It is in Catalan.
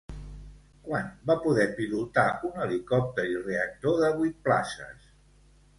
Quan va poder pilotar un helicòpter i reactor de vuit places?